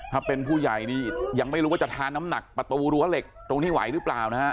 ถ้าเป็นผู้ใหญ่นี่ยังไม่รู้ว่าจะทานน้ำหนักประตูรั้วเหล็กตรงนี้ไหวหรือเปล่านะฮะ